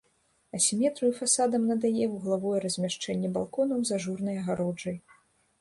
Асіметрыю фасадам надае вуглавое размяшчэнне балконаў з ажурнай агароджай.